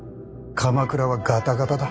鎌倉はガタガタだ。